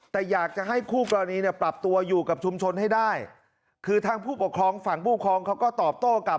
แต่อยากจะให้คู่กรณีเนี่ยปรับตัวอยู่กับชุมชนให้ได้คือทางผู้ปกครองฝั่งผู้ครองเขาก็ตอบโต้กลับ